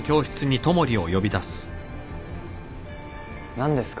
何ですか？